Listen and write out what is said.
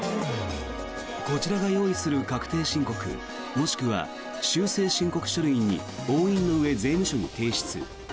こちらが用意する確定申告もしくは修正申告書類に押印のうえ、税務署に提出。